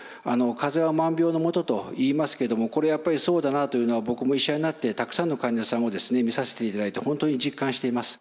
風邪は万病のもとといいますけどもこれはやっぱりそうだなというのは僕も医者になってたくさんの患者さんを診させていただいて本当に実感しています。